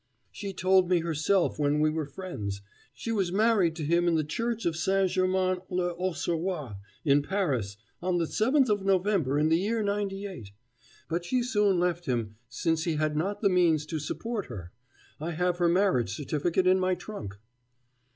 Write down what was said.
"She told me herself when we were friends. She was married to him in the church of St. Germain l'Auxerrois in Paris on the 7th of November in the year '98. But she soon left him, since he had not the means to support her. I have her marriage certificate in my trunk."